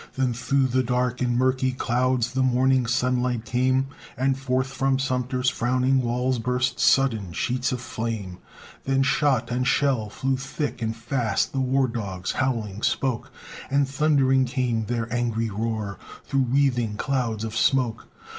Then through the dark and murky clouds The morning sunlight came, And forth from Sumter's frowning walls Burst sudden sheets of flame. Then shot and shell flew thick and fast, The war dogs howling spoke, And thundering came their angry roar, Through wreathing clouds of smoke.